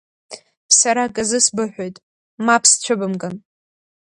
Сара аказы сбыҳәоит, мап сцәыбымкын!